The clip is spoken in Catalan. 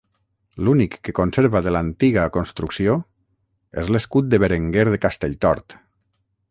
L'únic que conserva de l'antiga construcció és l'escut de Berenguer de Castelltort.